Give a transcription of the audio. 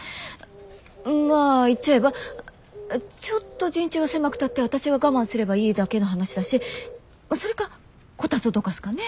まぁ言っちゃえばちょっと陣地が狭くたって私が我慢すればいいだけの話だしそれかコタツをどかすかねぇ？